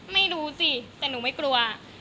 ไม่รู้สิแต่หนูไม่กลัว